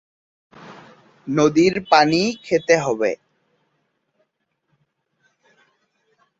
নদীর পানিই খেতে হবে।